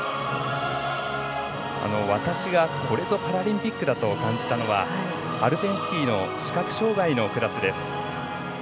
私が、これぞパラリンピックだと感じたのはアルペンスキーの視覚障がいのクラスです。